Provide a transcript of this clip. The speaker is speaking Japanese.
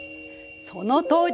そのとおり。